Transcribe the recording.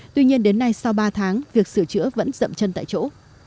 tuy nhiên đến nay sau ba tháng việc sửa chữa vẫn rậm chân tại chỗ